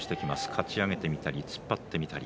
かち上げてみたり突っ張ってみたり。